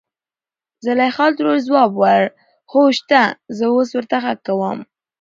زليخا ترور ځواب وړ .هو شته زه اوس ورته غږ کوم.